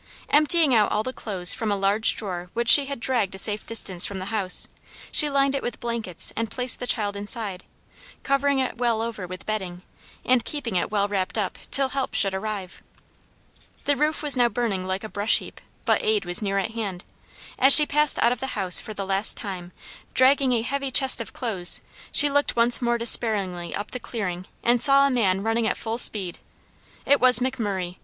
Emptying out all the clothes from a large drawer which she had dragged a safe distance from the house, she lined it with blankets and placed the child inside, covering it well over with bedding, and keeping it well wrapped up till help should arrive. The roof was now burning like a brush heap; but aid was near at hand. As she passed out of the house for the last time, dragging a heavy chest of clothes, she looked once more despairingly up the clearing and saw a man running at full speed. It was McMurray.